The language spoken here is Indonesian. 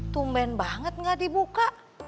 tumben banget nggak dibuka